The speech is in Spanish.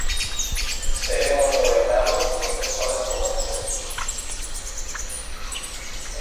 Seremos gobernados por personas como nosotros.